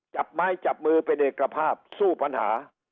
จับไม้จับมือเป็นเอกภาพสู้ปัญหา